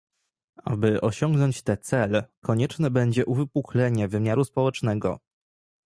Aby osiągnąć te cel, konieczne będzie uwypuklenie wymiaru społecznego